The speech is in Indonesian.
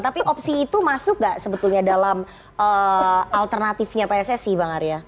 tapi opsi itu masuk nggak sebetulnya dalam alternatifnya pssi bang arya